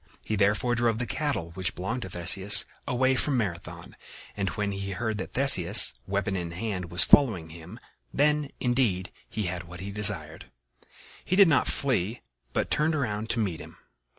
He therefore drove the cattle which belonged to Theseus away from Marathon, and when he heard that Theseus, weapon in hand, was following him, then, indeed, he had what he desired. He did not flee, but turned around to meet him.